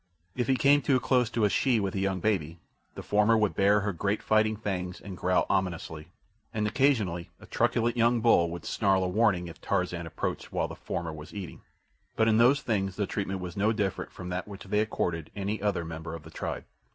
If he came too close to a she with a young baby, the former would bare her great fighting fangs and growl ominously, and occasionally a truculent young bull would snarl a warning if Tarzan approached while the former was eating. But in those things the treatment was no different from that which they accorded any other member of the tribe.